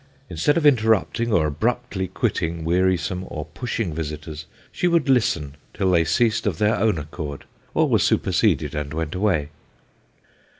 . instead of interrupting or abruptly quitting weari some or pushing visitors, she would listen till they ceased of their own accord, or were superseded and went away.'